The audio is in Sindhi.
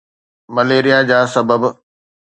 مليريا جا سبب